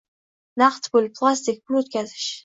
Naqd pul, plastik, pul o‘tkazish